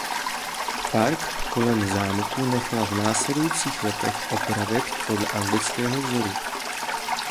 Park kolem zámku nechala v následujících letech upravit podle anglického vzoru.